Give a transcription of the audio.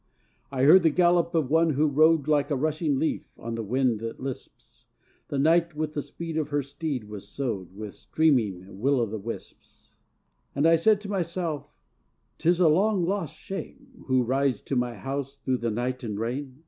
I heard the gallop of one who rode Like a rushing leaf on the wind that lisps; The night with the speed of her steed was sowed With streaming will o' the wisps. And I said to myself, "'Tis a long lost Shame, Who rides to my house through the night and rain!